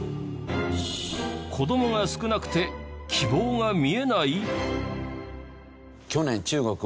子どもが少なくて希望が見えない！？